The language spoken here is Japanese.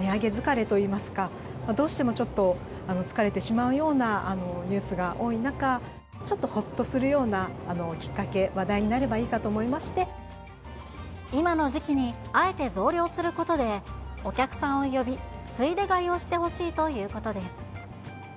値上げ疲れといいますか、どうしてもちょっと疲れてしまうようなニュースが多い中、ちょっとほっとするようなきっかけ、話題になればいいかと思いま今の時期にあえて増量することで、お客さんを呼び、ついで買いをしてほしいということです。